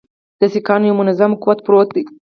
د سیکهانو یو منظم قوت پروت دی.